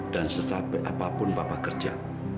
dan sesampai apapun papa kerja